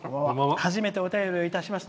初めてお便りをいたします。